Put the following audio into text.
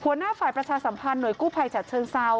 หัวหน้าฝ่ายประชาสัมพันธ์หน่วยกู้ภัยฉัดเชิงเซา